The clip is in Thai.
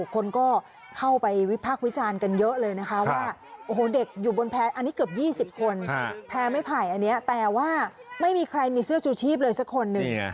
คนก็เข้าไปวิพากษ์วิจารณ์กันเยอะเลยนะคะว่าโอ้โหเด็กอยู่บนแพร่อันนี้เกือบ๒๐คนแพ้ไม่ไผ่อันนี้แต่ว่าไม่มีใครมีเสื้อชูชีพเลยสักคนหนึ่ง